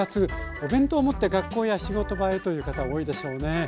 お弁当を持って学校や仕事場へという方多いでしょうね。